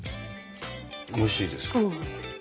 おいしいです。